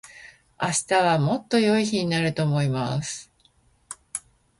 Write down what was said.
明日はもっと良い日になると思います。